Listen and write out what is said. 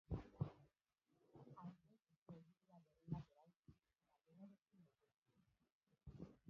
Altzairuzko egitura berri bat eraiki eta lurrarekin bete zuten.